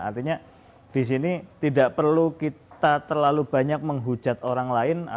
artinya di sini tidak perlu kita terlalu banyak menghujat orang lain